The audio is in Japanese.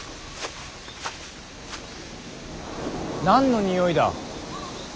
何のにおいだ。